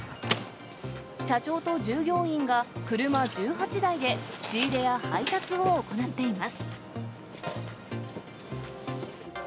社長と従業員が車１８台で仕入れや配達を行っています。